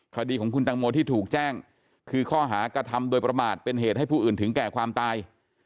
คดีของคุณตังโมที่ถูกแจ้งคือข้อหากระทำโดยประมาทเป็นเหตุให้ผู้อื่นถึงแก่ความตาย